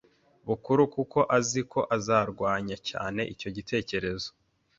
bukuru kuko azi ko azarwanya cyane icyo gitekerezo